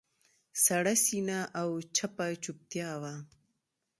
سړه سینه او چپه چوپتیا وه.